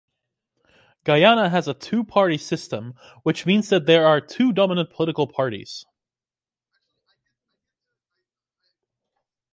Guyana has a two-party system, which means that there are two dominant political parties.